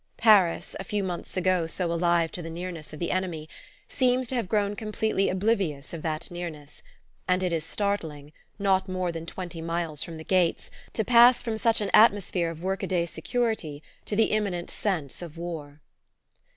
Paris, a few months ago so alive to the nearness of the enemy, seems to have grown completely oblivious of that nearness; and it is startling, not more than twenty miles from the gates, to pass from such an atmosphere of workaday security to the imminent sense of war.